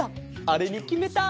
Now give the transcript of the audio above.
あれにきめた！